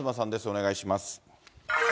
お願いします。